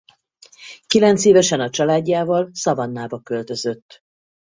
Kilencévesen a családjával Savannahba költözött.